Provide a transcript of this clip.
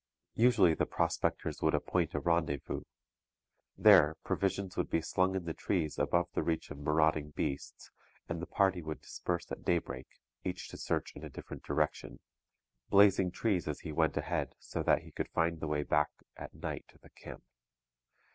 Usually the prospectors would appoint a rendezvous. There, provisions would be slung in the trees above the reach of marauding beasts, and the party would disperse at daybreak, each to search in a different direction, blazing trees as he went ahead so that he could find the way back at night to the camp.